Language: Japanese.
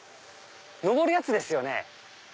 登るやつですよね。